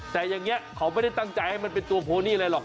แต่อย่างนี้เขาไม่ได้ตั้งใจให้มันเป็นตัวโพนี่อะไรหรอก